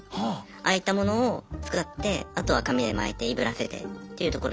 ああいったものを使ってあとは紙で巻いていぶらせてっていうところになるんです。